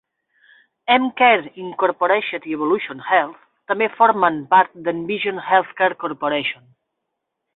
EmCare, Incorporated i Evolution Health també formen part d'Envision Healthcare Corporation.